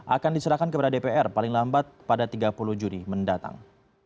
akan diserahkan kepada dpr paling lambat pada tiga puluh juni mendatang